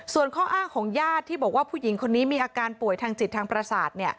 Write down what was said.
ส่วนข้ออ้างของญาติที่บอกว่าผู้หญิงคนนี้มีอาการป่วยทางจิตทางประสาท